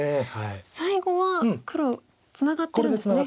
最後は黒ツナがってるんですね。